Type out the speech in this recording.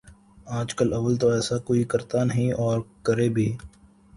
آج کل اول تو ایسا کوئی کرتا نہیں اور کرے بھی